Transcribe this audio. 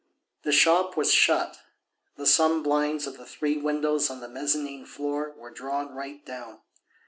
The shop was shut, the sun blinds of the three windows on the mezzanine floor were drawn right down.